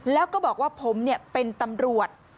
แล้วก็บอกว่าผมเป็นตำรวจ